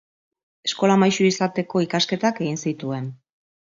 Eskola-maisu izateko ikasketak egin zituen.